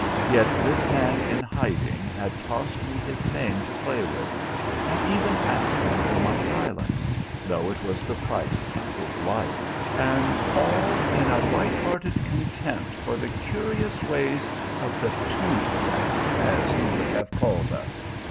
Yet this man in hiding had tossed me his name to play with, not even asking for my silence, though it was the price of his life, and all in a light hearted contempt for the curious ways of the 'tony set,' as he would have called us.